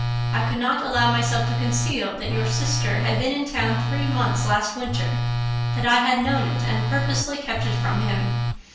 I could not allow myself to conceal that your sister had been in town three months last winter, that I had known it, and purposely kept it from him.